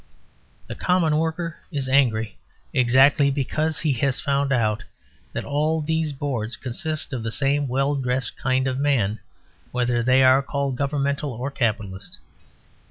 The common worker is angry exactly because he has found out that all these boards consist of the same well dressed Kind of Man, whether they are called Governmental or Capitalist.